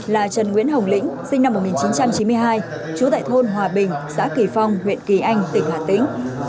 là trần nguyễn hồng lĩnh sinh năm một nghìn chín trăm chín mươi hai trú tại thôn hòa bình xã kỳ phong huyện kỳ anh tỉnh hà tĩnh